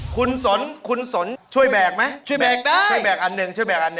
คุณสนคุณสนช่วยแบกไหมช่วยแบกอันหนึ่งได้